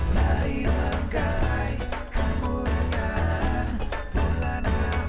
lari langkai kemuliaan bulan ramadhan